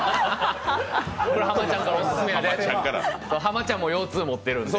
濱ちゃんも腰痛持ってるんで。